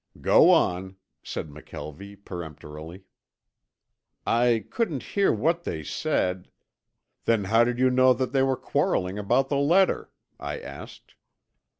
"Go on," said McKelvie peremptorily. "I couldn't hear what they said " "Then how did you know that they were quarreling about the letter?" I asked.